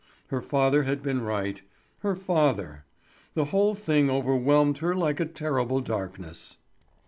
Her father had been right. Her father! The whole thing overwhelmed her like a terrible darkness.